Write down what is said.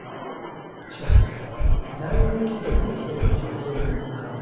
しかし在留期限が切れる直前にあなた方は結婚しています。